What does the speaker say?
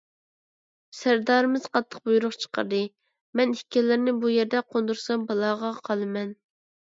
سەردارىمىز قاتتىق بۇيرۇق چىقاردى، مەن ئىككىلىرىنى بۇ يەردە قوندۇرسام بالاغا قالىمەن.